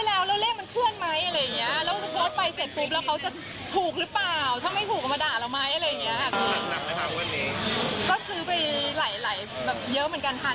เลขจากลูกค่ะใช่ใช่ค่ะ